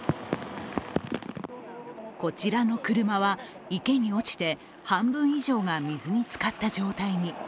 こちらの車は、池に落ちて半分以上が水につかった状態に。